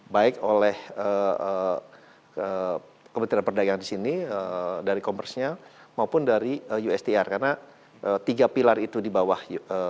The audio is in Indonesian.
baik oleh kementerian perdagangan di sini dari commerce nya maupun dari ustr karena tiga pilar itu di bawah